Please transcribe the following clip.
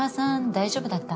大丈夫だった？